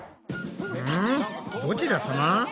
うん？どちらさま！？